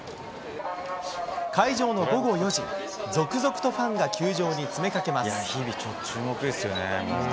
開場の午後４時、続々とファンが球場に詰めかけます。